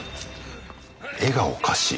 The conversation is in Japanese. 絵がおかしい。